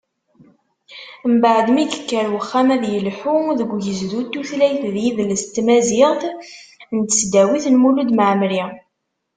Mbeɛd mi yekker uxxam ad yelḥu deg ugezdu n tutlayt d yidles n tmaziɣt n tesdawit n Mulud Mɛemmeri.